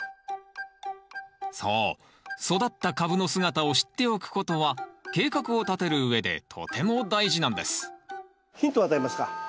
育った株の姿を知っておくことは計画を立てるうえでとても大事なんですヒントを与えますか？